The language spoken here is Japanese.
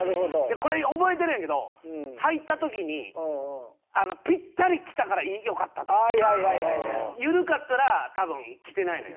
「これ覚えてるんやけどはいた時にピッタリきたからよかったと思う」「緩かったら多分きてないのよ」